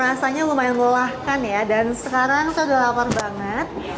rasanya lumayan lelahkan ya dan sekarang saya udah lapar banget